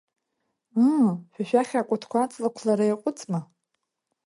Ыы, шәа шәахь акәтқәа аҵлақәлара иаҟәыҵма?